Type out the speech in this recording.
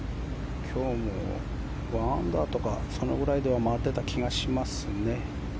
今日も１アンダーとかそのくらいでは回っていた気がしますね。